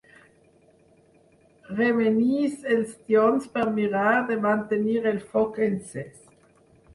Remenis els tions per mirar de mantenir el foc encès.